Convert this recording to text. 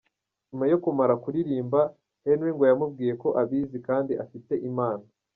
Nyuma yo kumara kuririmba, Henry ngo yamubwiye ko abizi kandi afite impano.